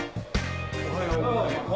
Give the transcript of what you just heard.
おはようございます。